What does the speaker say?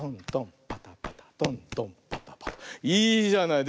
いいじゃない？